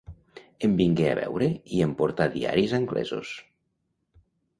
Em vingué a veure i em portà diaris anglesos